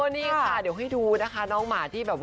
นี่ค่ะเดี๋ยวให้ดูนะคะน้องหมาที่แบบ